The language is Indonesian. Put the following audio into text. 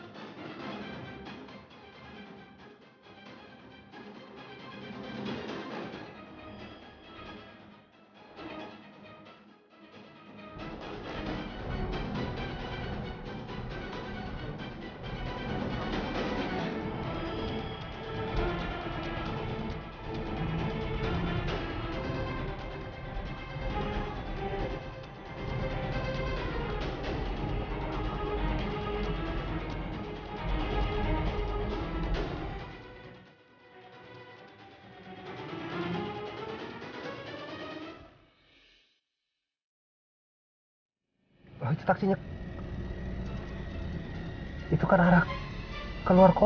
kapan aku ngasih tau dimana rumah aku